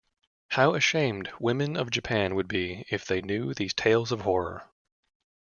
How ashamed women of Japan would be if they knew these tales of horror.